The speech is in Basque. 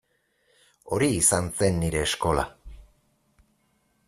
Hori izan zen nire eskola.